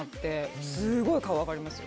すごい顔上がりますよ。